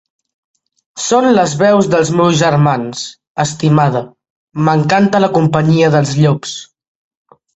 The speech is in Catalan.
Són les veus dels meus germans, estimada; m'encanta la companyia dels llops.